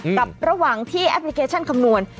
กับระหว่างที่แอปพลิเคชันคำนวณ